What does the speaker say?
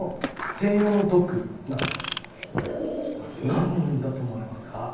何だと思われますか？